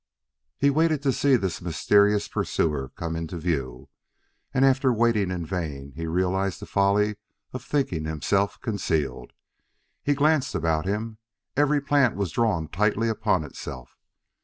He waited to see this mysterious pursuer come into view; and after waiting in vain he realized the folly of thinking himself concealed. He glanced about him; every plant was drawn tightly upon itself.